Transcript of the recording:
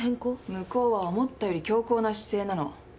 向こうは思ったより強硬な姿勢なの。